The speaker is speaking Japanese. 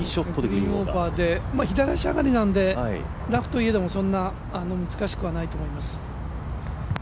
ピンオーバーで左足上がりなのでラフといえどもそんな難しくはないと思います。